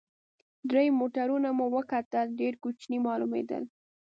درې موټرونه مو وکتل، ډېر کوچني معلومېدل.